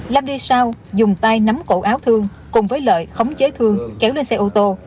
lam đi sao dùng tay nắm cổ áo thương cùng với lợi khống chế thương kéo lên xe ô tô